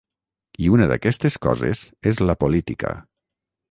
I una d’aquestes coses és la política.